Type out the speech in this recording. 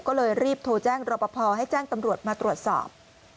ก็เลยรีบโทรแจ้งรอปภให้แจ้งตำรวจมาตรวจสอบ